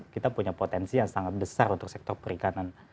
kita punya potensi yang sangat besar untuk sektor perikanan